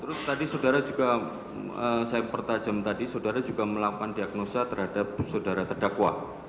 terus tadi saudara juga saya pertajam tadi saudara juga melakukan diagnosa terhadap saudara terdakwa